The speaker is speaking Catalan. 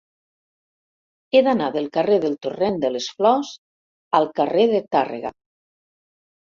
He d'anar del carrer del Torrent de les Flors al carrer de Tàrrega.